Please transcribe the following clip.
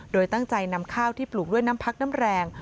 โดยตั้งใจนำข้าวที่ปลูกด้วยน้ำพักน้ำแรง